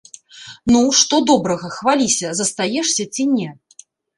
Ну, што добрага, хваліся, застаешся ці не?